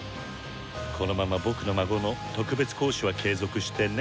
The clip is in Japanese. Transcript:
「このまま僕の孫の特別講師は継続してね」。